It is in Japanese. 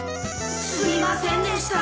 すいませんでした